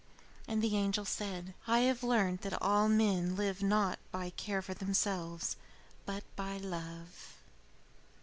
And the angel said: "I have learnt that all men live not by care for themselves but by love.